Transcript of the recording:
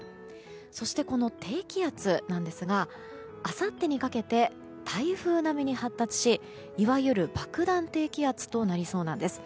そして、この低気圧なんですがあさってにかけて台風並みに発達しいわゆる爆弾低気圧となりそうなんです。